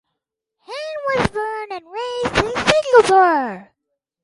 Han was born and raised in Singapore.